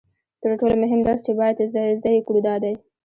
تر ټولو مهم درس چې باید زده یې کړو دا دی